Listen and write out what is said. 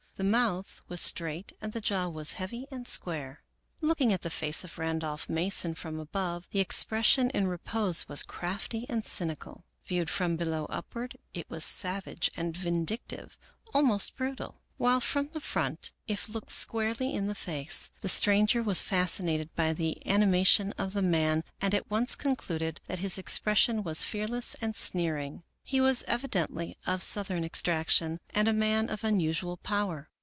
The mouth was straight and the jaw was heavy, and square. Looking at the face of Randolph Mason from above, the 70 Melville Davisson Post expression in repose was crafty and cynical ; viewed from below upward, it was savage and vindictive, almost brutal ; while from the front, if looked squarely in the face, the stranger was fascinated by the animation of the man and at once concluded that his expression was fearless and sneer ing. He was evidently of Southern extraction and a man. of unusual power.